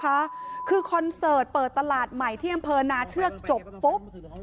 คือคอนเสิร์ตเปิดตลาดใหม่ที่อำเภอนาเชือกจบปุ๊บ